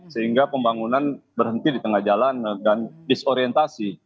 sehingga pembangunan berhenti di tengah jalan dan disorientasi